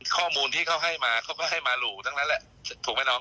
ข้อมูลที่เขาให้มาเขาก็ให้มาหลู่ทั้งนั้นแหละถูกไหมน้อง